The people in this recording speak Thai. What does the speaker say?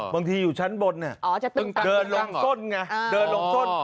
บางทีอยู่ชั้นบนเนี่ยเดินลงส้นไงเดินลงส้น